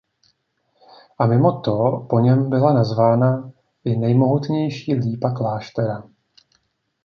A mimo to po něm byla nazvána i nejmohutnější lípa kláštera.